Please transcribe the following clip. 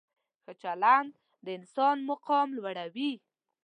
ښه چلند د انسان مقام لوړوي.